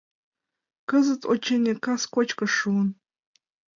Кызыт, очыни, кас кочкыш шуын.